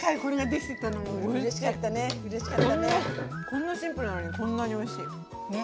こんなシンプルなのにこんなにおいしい。ね。